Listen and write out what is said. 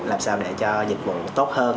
làm sao để cho dịch vụ tốt hơn